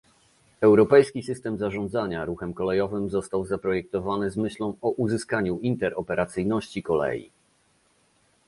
Europejski system zarządzania ruchem kolejowym został zaprojektowany z myślą o uzyskaniu interoperacyjności kolei